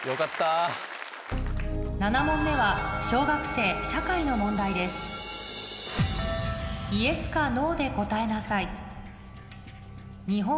７問目は小学生社会の問題ですでしかも。